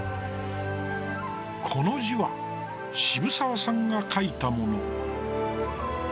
この字は渋沢さんが書いたもの。